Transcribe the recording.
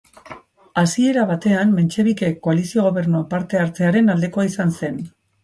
Hasiera batean, mentxebikeek koalizioko Gobernuan parte hartzearen aldekoa izan zen.